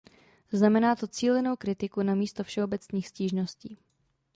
Znamená to cílenou kritiku namísto všeobecných stížností.